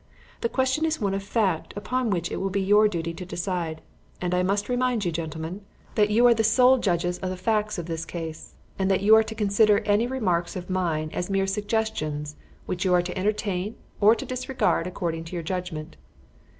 The question is one of fact upon which it will be your duty to decide; and I must remind you, gentlemen, that you are the sole judges of the facts of the case, and that you are to consider any remarks of mine as merely suggestions which you are to entertain or to disregard according to your judgement.